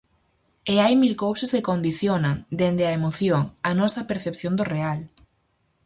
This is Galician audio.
E hai mil cousas que condicionan, dende a emoción, a nosa percepción do real.